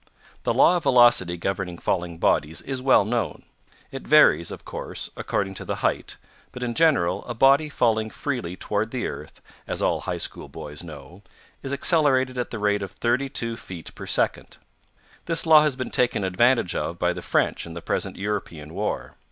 The law of velocity governing falling bodies is well known. It varies, of course, according to the height, but in general a body falling freely toward the earth, as all high school boys know, is accelerated at the rate of thirty two feet per second. This law has been taken advantage of by the French in the present European war.